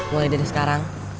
mulai dari sekarang